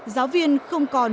giáo viên không còn